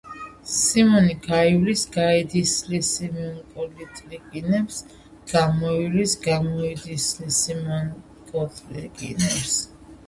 სიმონი გაივლის_გაიდისლისიმონკოტლიკინებს…გამოივლის_გამოიდისლისიმონკოტლიკინებს